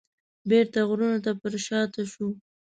بیرته غرونو ته پرشاته شو.